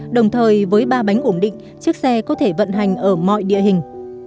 đồng thời với ba bánh ổn định chiếc xe có thể vận hành ở mọi địa hình